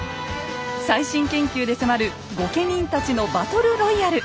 最新研究で迫る御家人たちのバトルロイヤル。